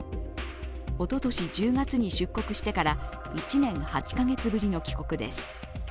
おととし１０月に出国してから１年８カ月ぶりの企画です。